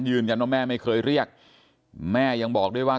ยืนกันว่าแม่ไม่เคยเรียกแม่ยังบอกด้วยว่า